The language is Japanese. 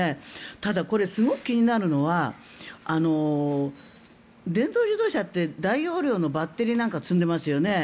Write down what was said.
ただ、これ、すごく気になるのは電気自動車って大容量のバッテリーなんかを積んでますよね。